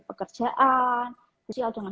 pekerjaan kecil dengan